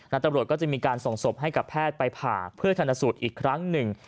ตำรวจก็จะมีการส่งศพให้กับแพทย์ไปผ่าเพื่อชนสูตรอีกครั้งหนึ่ง